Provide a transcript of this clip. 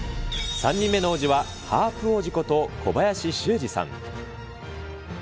３人目の王子は、ハープ王子こと、小林秀吏さん。